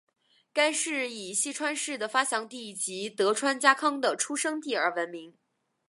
该市以细川氏的发祥地及德川家康的出生地而闻名。